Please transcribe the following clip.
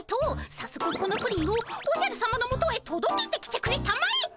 さっそくこのプリンをおじゃるさまのもとへとどけてきてくれたまえ。